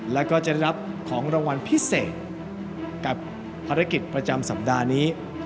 แล้วก็จะได้รับของรางวัลพิเศษกับภารกิจประจำสัปดาห์นี้